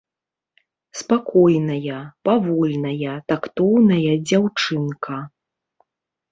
Спакойная, павольная, тактоўная дзяўчынка.